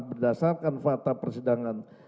berdasarkan fakta persidangan